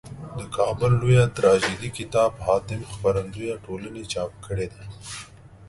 دکابل لویه تراژیدي کتاب حاتم خپرندویه ټولني چاپ کړیده.